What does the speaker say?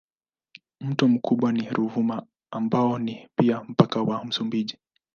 Mto mkubwa ni Ruvuma ambao ni pia mpaka wa Msumbiji.